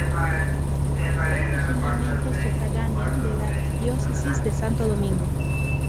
Fue originalmente sufragánea de la Arquidiócesis de Santo Domingo.